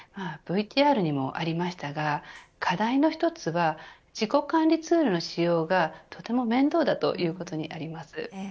ＶＴＲにもありましたが課題の一つは自己管理ツールの使用が、とても面倒だということにあります。